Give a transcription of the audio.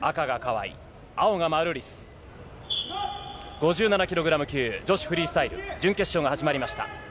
５７キログラム級女子フリースタイル、準決勝が始まりました。